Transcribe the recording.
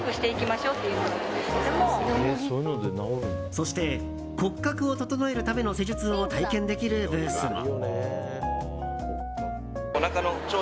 そして、骨格を整えるための施術を体験できるブースも。